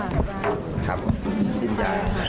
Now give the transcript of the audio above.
ไปเยี่ยมทั้งช่วงป่วนช่วงหาจรวน